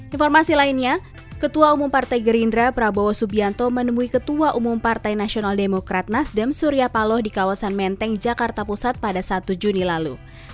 informasi lainnya ketua umum partai gerindra prabowo subianto menemui ketua umum partai nasional demokrat nasdem surya paloh di kawasan menteng jakarta pusat pada satu juni lalu